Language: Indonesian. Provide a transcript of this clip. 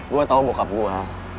gue tau bokap gue